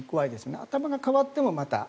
頭が変わっても。